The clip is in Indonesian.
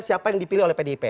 siapa yang dipilih oleh pdip